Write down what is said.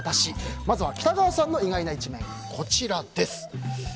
まずは北川さんの意外な一面です。